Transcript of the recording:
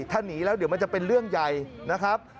ถ้าหนีแล้วเดี๋ยวมันจะเป็นเรื่องใหญ่นะครับ